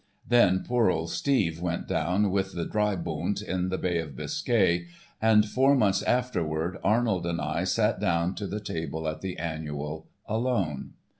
Then poor old Steve went down with the Dreibund in the bay of Biscay, and four months afterward Arnold and I sat down to the table at the Annual, alone.